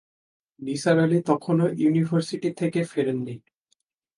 নিসার আলি তখনো ইউনিভার্সিটি থেকে ফেরেন নি।